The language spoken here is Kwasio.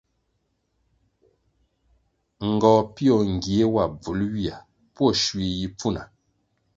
Ngohpio ngie wa bvul ywia pwo shui yi pfuna.